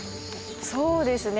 そうですね。